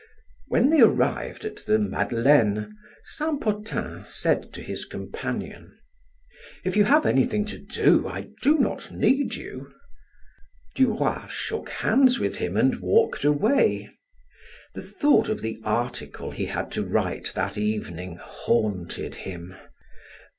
When they arrived at the Madeleine, Saint Potin said to his companion: "If you have anything to do, I do not need you." Duroy shook hands with him and walked away. The thought of the article he had to write that evening haunted him.